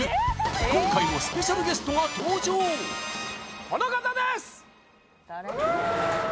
今回もスペシャルゲストが登場この方です！